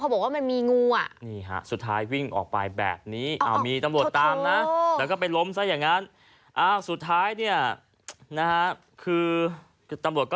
พอบอกว่ามันมีงวก